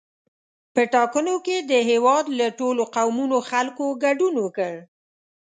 په ټاکنو کې د هېواد له ټولو قومونو خلکو ګډون وکړ.